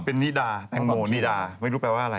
เป็นนิดาแตงโมนิดาไม่รู้แปลว่าอะไร